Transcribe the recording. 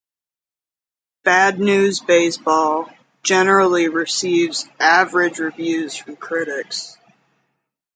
Bad News Baseball generally receives average reviews from critics.